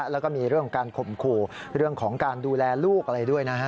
แล้วก็มีเรื่องของการข่มขู่เรื่องของการดูแลลูกอะไรด้วยนะฮะ